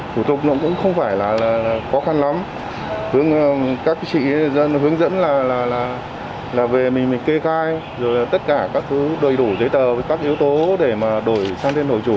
không phải là khó khăn lắm các chị hướng dẫn là về mình kê khai rồi tất cả các thứ đầy đủ giấy tờ với các yếu tố để mà đổi sang thêm nổi chủ